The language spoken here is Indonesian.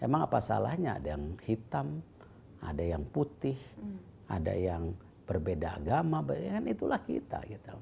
emang apa salahnya ada yang hitam ada yang putih ada yang berbeda agama itulah kita